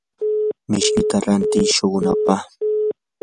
mishkita rantiiy shuqunapaq.